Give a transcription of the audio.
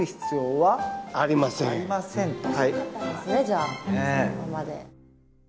じゃあそのままで。